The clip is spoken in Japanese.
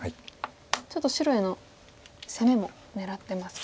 ちょっと白への攻めも狙ってますか。